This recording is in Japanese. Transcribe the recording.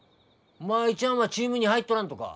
舞ちゃんはチームに入っとらんとか？